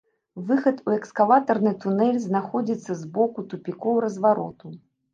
Выхад у эскалатарны тунэль знаходзіцца з боку тупікоў развароту.